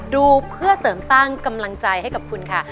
ดูเพื่อเสริมสร้างกำลังใจให้กับคุณค่ะ